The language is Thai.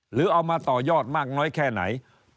หรือเอามาต่อยอดมากน้อยแค่ไหน